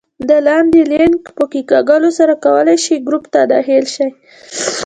د لاندې لینک په کېکاږلو سره کولای شئ ګروپ ته داخل شئ